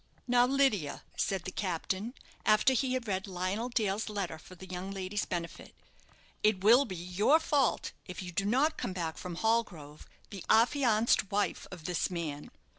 "Now, Lydia," said the captain, after he had read Lionel Dale's letter for the young lady's benefit, "it will be your fault if you do not come back from Hallgrove the affianced wife of this man.